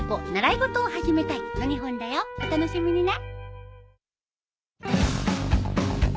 お楽しみにね。